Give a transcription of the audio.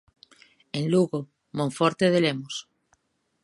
En Lugo, Monforte de Lemos.